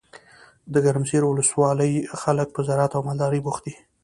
دګرمسیر ولسوالۍ خلګ په زراعت او مالدارۍ بوخت دي.